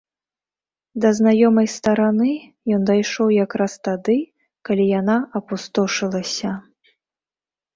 Да знаёмай стараны ён дайшоў якраз тады, калі яна апустошылася.